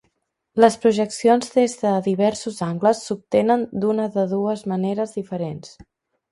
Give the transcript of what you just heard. Les projeccions des de diversos angles s'obtenen d'una de dues maneres diferents.